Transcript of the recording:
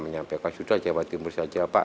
menyampaikan sudah jawa timur saja pak